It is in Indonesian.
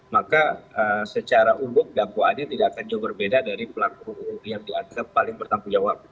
maka secara umum dakwaannya tidak akan jauh berbeda dari pelaku hukum yang dianggap paling bertanggung jawab